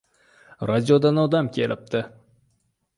Radiodan odam kelibdi.